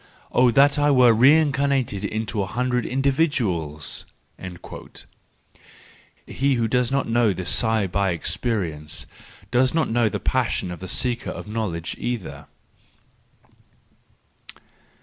Oh, that I were reincarnated in a hundred individuals ! "—He who does not know this sigh by experience, does not know the passion of the seeker of knowledge either.